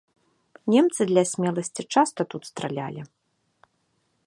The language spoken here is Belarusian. Немцы для смеласці часта тут стралялі.